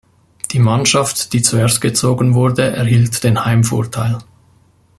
Die Mannschaft, die zuerst gezogen wurde, erhielt den Heimvorteil.